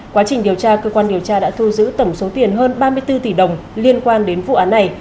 quá trình điều tra cơ quan điều tra đã thu giữ tổng số tiền hơn ba mươi bốn tỷ đồng liên quan đến vụ án này